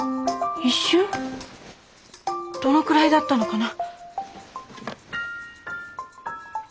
どのくらいだったのかな？